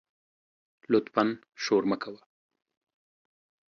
لطفآ شور مه کوه